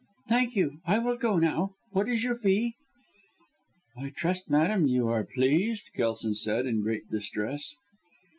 Thank you! I will go now. What is your fee?" "I trust, madam, you are pleased," Kelson said in great distress.